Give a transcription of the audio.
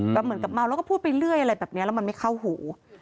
เหมือนกับเมาแล้วก็พูดไปเรื่อยอะไรแบบนี้แล้วมันไม่เข้าหู